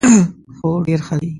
هو، ډیر ښه دي